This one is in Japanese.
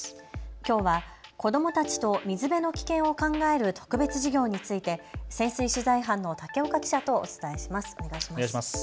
きょうは子どもたちと水辺の危険を考える特別授業について潜水取材班の竹岡記者とお伝えします。